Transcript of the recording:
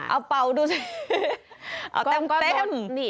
เอาเป่าดูซิ